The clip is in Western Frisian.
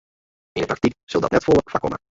Yn 'e praktyk sil dat net folle foarkomme.